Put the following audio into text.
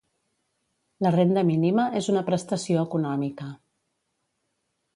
La renda mínima és una prestació econòmica